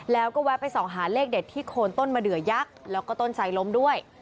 แล้วก็แวะไปส่องหาเลขเด็ดที่โคนต้นมะเดือยักษ์แล้วก็ต้นไซล้มด้วย